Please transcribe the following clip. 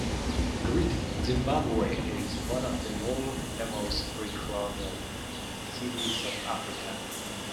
Great Zimbabwe is one of the more famous pre-colonial cities of Africa.